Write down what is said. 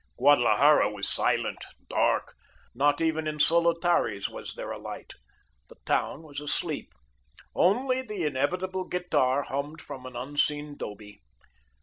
Guadalajara was silent, dark. Not even in Solotari's was there a light. The town was asleep. Only the inevitable guitar hummed from an unseen 'dobe.